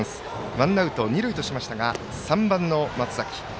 ワンアウト、二塁としましたが３番の松崎。